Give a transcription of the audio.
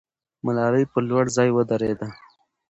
ملالۍ پر لوړ ځای ودرېده.